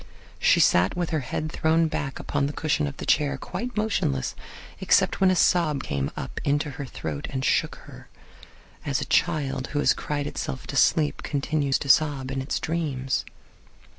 She sat with her head thrown back upon the cushion of the chair, quite motionless, except when a sob came up into her throat and shook her, as a child who has cried itself to sleep continues to sob in its dreams.